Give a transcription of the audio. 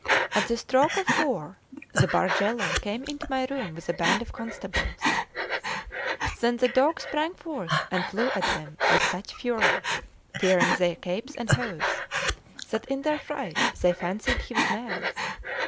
At the stroke of four the Bargello came into my room with a band of constables. Then the dog sprang forth and flew at them with such fury, tearing their capes and hose, that in their fright they fancied he was mad.